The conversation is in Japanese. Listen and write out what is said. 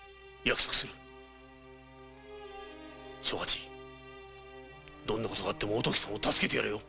庄八どんな事があってもお時さんを助けてやれよ。